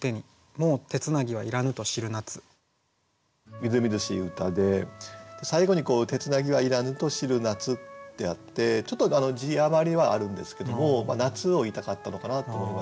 みずみずしい歌で最後に「てつなぎはいらぬと知る夏」ってあってちょっと字余りはあるんですけども夏を言いたかったのかなと思いました。